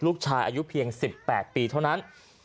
ลูกชายอายุเพียง๑๘ปีเท่านั้น